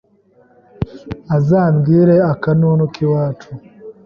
Azambwire akanunu k'iwacu